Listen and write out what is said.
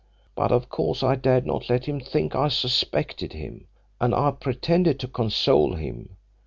But of course I dared not let him think I suspected him, and I pretended to console him.